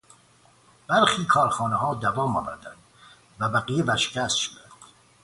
برخی کارخانهها دوام آوردند و بقیه ورشکست شدند.